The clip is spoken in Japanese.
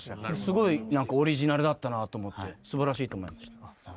すごいオリジナルだったなと思ってすばらしいと思いました。